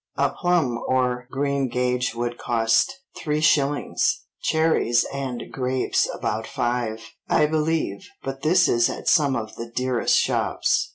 A plum or greengage would cost three shillings; cherries and grapes about five, I believe, but this is at some of the dearest shops."